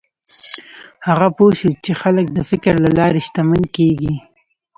هغه پوه شو چې خلک د فکر له لارې شتمن کېږي.